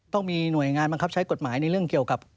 ต้องมีหน่วยงานบังคับใช้กฎหมายในเรื่องเกี่ยวกับ